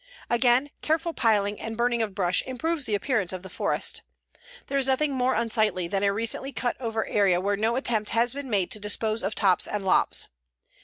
Again, careful piling and burning of brush improves the appearance of the forest. There is nothing much more unsightly than a recently cutover area where no attempt has been made to dispose of tops and lops.